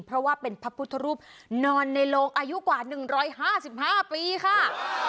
เพราะว่าเป็นพระพุทธรูปนอนในโลงอายุกว่า๑๕๕ปีค่ะ